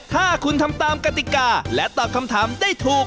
ถ้าคุณทำตามกติกาและตอบคำถามได้ถูก